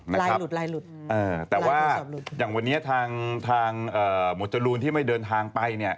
ลายหลุดแต่ว่าอย่างวันนี้ทางหมดจรูลที่ไม่เดินทางไป